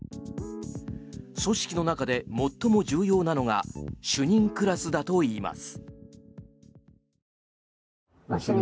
組織の中で最も重要なのが主任クラスだといいます。